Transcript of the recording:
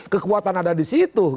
kekuatan ada di situ